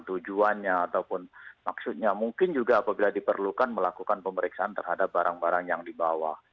tujuannya ataupun maksudnya mungkin juga apabila diperlukan melakukan pemeriksaan terhadap barang barang yang dibawa